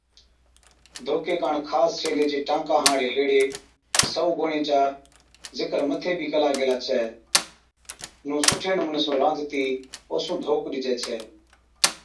ڌوڪي ڪاڻ خاص ڇيلي چي ٽانڪان ھاڙي ھيڙي (سئُون گوڻِيئَي، جڪا چا ذڪر مٿي بِي ڪلا گيلا ڇَي) نُون سُٺي نمُوني سُون رانڌتِي اوسُون ڌوڪ ڏِجي ڇَي